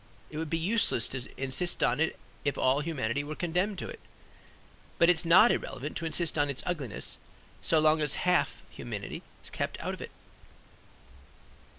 It would be useless to insist on it if all humanity were condemned to it. But it is not irrelevant to insist on its ugliness so long as half of humanity is kept out of it.